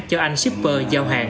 cho anh shipper giao hàng